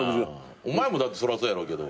お前もそりゃそうやろうけど。